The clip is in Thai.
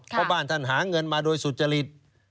เพราะบ้านท่านหาเงินมาโดยสุจริต